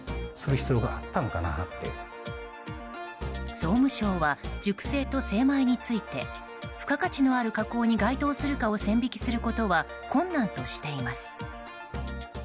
総務省は熟成と精米について付加価値のある加工に該当するかを線引きすることは困難としています。